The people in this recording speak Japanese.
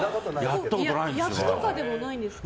役とかでもないんですか。